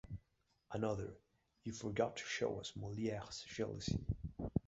Another: “You forgot to show us Molière’s jealousy.